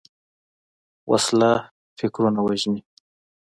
وسله فکرونه وژني